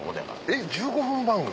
えっ１５分番組？